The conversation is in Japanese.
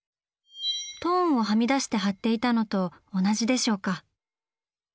トーンをはみ出して貼っていたのと同じでしょうか。